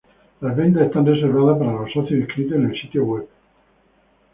Las ventas están reservadas para los socios inscritos en el sitio web.